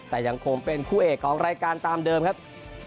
แต่ยังคงเป็นคู่เอกของรายการตามเดิมครับ